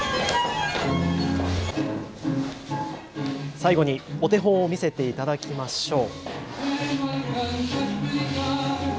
最後にお手本を見せていただきましょう。